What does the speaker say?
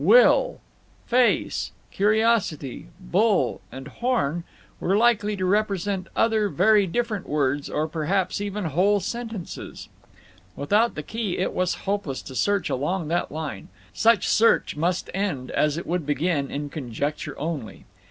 "Will," "face," "curiosity," "bull" and "horn" were likely to represent other very different words, or perhaps even whole sentences. Without the key it was hopeless to search along that line; such search must end, as it would begin, in conjecture only.